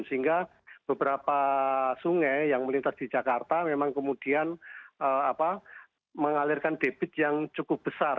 sehingga beberapa sungai yang melintas di jakarta memang kemudian mengalirkan debit yang cukup besar